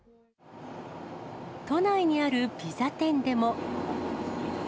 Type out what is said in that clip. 都内にあるピザ店でも。